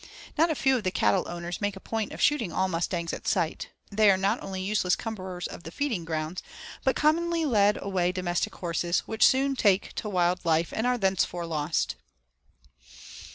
Not a few of the cattle owners make a point of shooting all mustangs at sight, they are not only useless cumberers of the feeding grounds, but commonly lead away domestic horses, which soon take to wild life and are thenceforth lost.